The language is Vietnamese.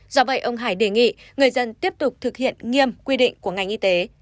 do vậy ông hải đề nghị người dân tiếp tục thực hiện nghiêm quy định của ngành y tế